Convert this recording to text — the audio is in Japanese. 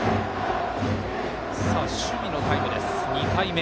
守備のタイムです、２回目。